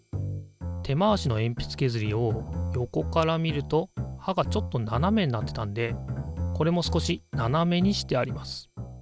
手回しのえんぴつけずりを横から見るとはがちょっとななめになってたんでこれも少しななめにしてあります。